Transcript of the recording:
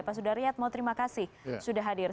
pak sudaryatmo terima kasih sudah hadir